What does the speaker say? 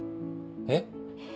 えっ。